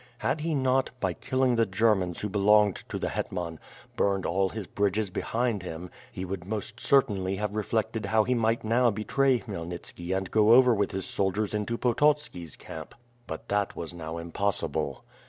Had he not, by killing the Germans who belonged to the hetman, burned all his bridges behind him, he would most certainly have reflected how he might now betray Khmyelnitski and go over with his soldiers into Pototski's camp. But that was now impossible.